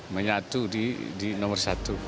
menyatu di nomor satu